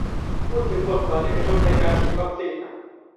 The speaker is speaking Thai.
พูดถึงบทบาทเอกชนในการฉีดวัคซีน